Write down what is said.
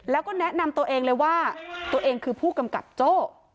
แล้วก็แนะนำตัวเองเลยว่าตัวเองคือผู้กำกับโจ้